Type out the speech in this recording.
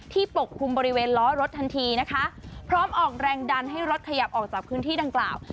ปกคลุมบริเวณล้อรถทันทีนะคะพร้อมออกแรงดันให้รถขยับออกจากพื้นที่ดังกล่าว